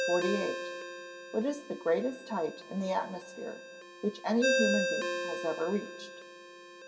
_What is the greatest height in the atmosphere which any human being has ever reached?